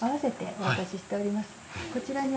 こちらに。